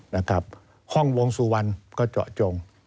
ห้องวงสุวรรณก็เจาะจง